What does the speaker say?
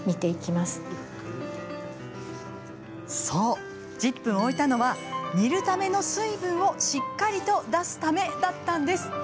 そう１０分おいたのは煮るための水分をしっかりと出すためだったんです。